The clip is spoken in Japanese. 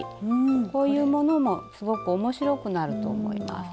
こういうものもすごく面白くなると思います。